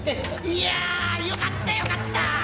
いやよかったよかった。